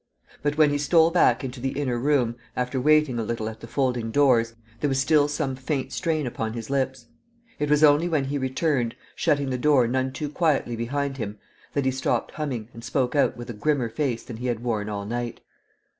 But when he stole back into the inner room, after waiting a little at the folding doors, there was still some faint strain upon his lips; it was only when he returned, shutting the door none too quietly behind him, that he stopped humming and spoke out with a grimmer face than he had worn all night.